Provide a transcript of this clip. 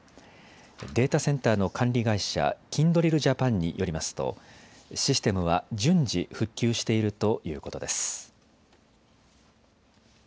データセンターの管理会社、キンドリルジャパンによりますとシステムは順次、復旧しているということです。